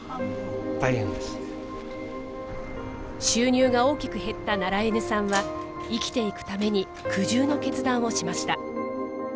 収入が大きく減ったナラエヌさんは生きていくために苦渋の決断をしました。